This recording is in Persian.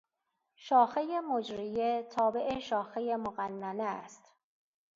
شاخهی مجریه تابع شاخهی مقننه است.